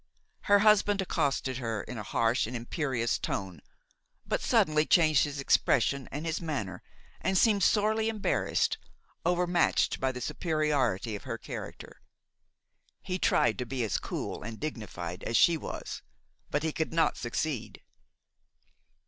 Her husband accosted her in a harsh and imperious tone, but suddenly changed his expression and his manner and seemed sorely embarrassed, overmatched by the superiority of her character. He tried to be as cool and dignified as she was; but he could not succeed.